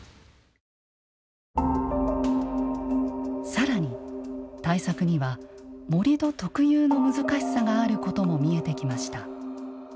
さらに、対策には盛土特有の難しさがあることも見えてきました。